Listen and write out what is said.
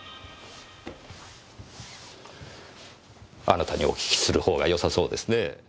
あなたにお訊きするほうがよさそうですねぇ。